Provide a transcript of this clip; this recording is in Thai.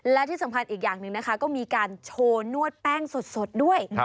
และที่สำคัญอีกอย่างหนึ่งนะคะก็มีการโชว์นวดแป้งสดด้วย